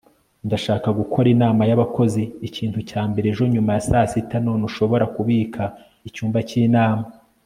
Ndashaka gukora inama yabakozi ikintu cya mbere ejo nyuma ya saa sita none ushobora kubika icyumba cyinama